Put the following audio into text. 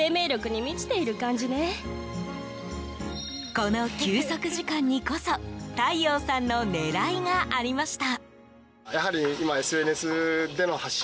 この休息時間にこそ太陽さんの狙いがありました。